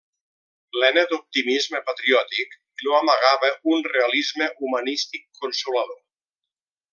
Plena d'optimisme patriòtic, no amagava un realisme humanístic consolador.